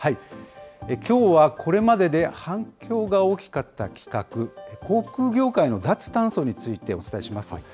きょうはこれまでで反響が大きかった企画、航空業界の脱炭素についてお伝えします。